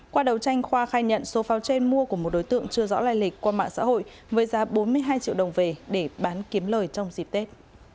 qua đầu tranh khoa khai nhận số pháo trên mua của một đối tượng chưa rõ lai lịch qua mạng xã hội với giá bốn mươi hai triệu đồng về để bán kiếm lời trong dịp tết